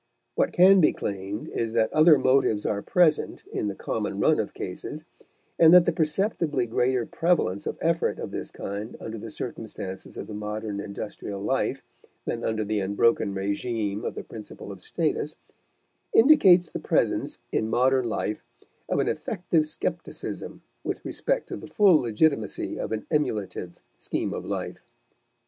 What can be claimed is that other motives are present in the common run of cases, and that the perceptibly greater prevalence of effort of this kind under the circumstances of the modern industrial life than under the unbroken regime of the principle of status, indicates the presence in modern life of an effective scepticism with respect to the full legitimacy of an emulative scheme of life.